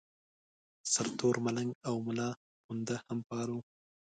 سرتور ملنګ او ملاپوونده هم فعال وو.